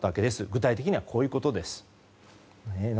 具体的には、こういうことです。